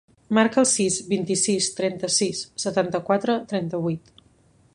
Marca el sis, vint-i-sis, trenta-sis, setanta-quatre, trenta-vuit.